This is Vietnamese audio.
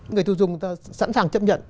người tiêu dùng sẵn sàng chấp nhận